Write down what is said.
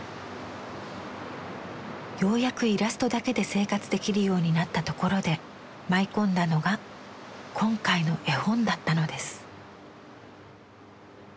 ようやくイラストだけで生活できるようになったところで舞い込んだのが今回の絵本だったのです。